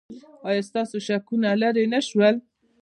ایا ستاسو شکونه لرې نه شول؟